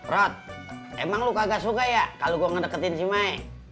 rod emang lu kagak suka ya kalo gua ngedeketin si maik